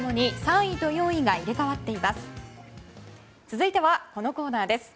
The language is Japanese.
続いてはこのコーナーです。